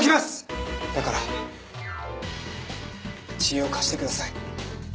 だから知恵を貸してください。